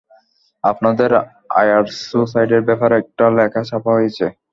আপনাদের আয়ার সুইসাইডের ব্যাপারে একটা লেখা ছাপা হয়েছে।